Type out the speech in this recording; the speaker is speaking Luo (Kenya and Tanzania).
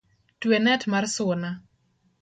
Twe net mar suna